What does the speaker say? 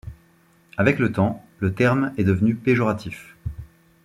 Avec le temps, le terme est devenu péjoratif.